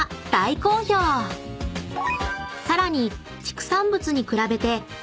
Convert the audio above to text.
［さらに］